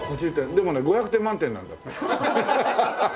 でもね５００点満点なんだ。